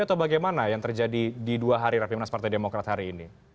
atau bagaimana yang terjadi di dua hari rapimnas partai demokrat hari ini